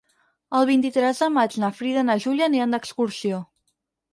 El vint-i-tres de maig na Frida i na Júlia aniran d'excursió.